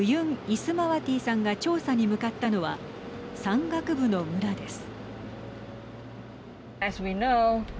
イスマワティさんが調査に向かったのは山岳部の村です。